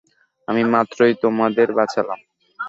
আমি মাত্রই তোমাদের বাঁচালাম!